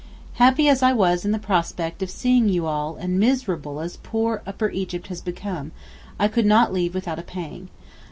Happy as I was in the prospect of seeing you all and miserable as poor Upper Egypt has become, I could not leave without a pang.